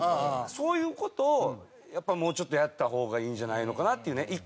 そういう事をやっぱもうちょっとやった方がいいんじゃないのかなっていうね。